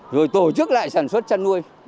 rồi tổ chức lại sản xuất chăn nuôi